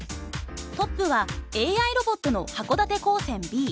トップはＡＩロボットの函館高専Ｂ。